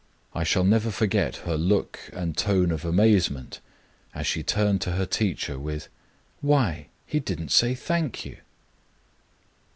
I shall never forget her look and tone of amazement as she turned to her teacher with, "Why! he didn't say 'Thank you.'"